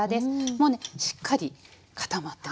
もうねしっかり固まってます。